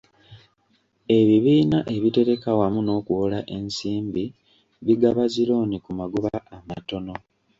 Ebibiina ebitereka wamu n'okuwola ensimbi bigaba zi looni ku magoba amatono.